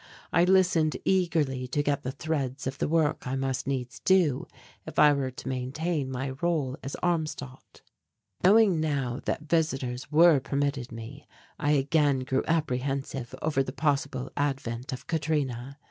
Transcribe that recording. I listened eagerly to get the threads of the work I must needs do if I were to maintain my rôle as Armstadt. Knowing now that visitors were permitted me, I again grew apprehensive over the possible advent of Katrina.